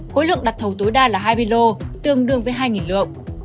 khối lượng đặt thầu tối đa là hai mươi lô tương đương với hai lượng